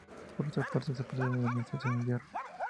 Por otra parte, se procede a la administración de hierro.